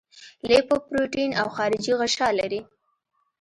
لیپوپروټین او خارجي غشا لري.